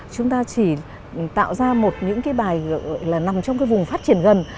chúng ta chỉ tạo ra một những cái bài nằm trong cái vùng phát triển gần